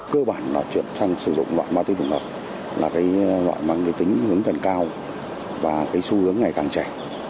cơ bản là chuyện chăn sử dụng loại ma túy tổng hợp là cái loại mang cái tính hướng thần cao và cái xu hướng ngày càng trẻ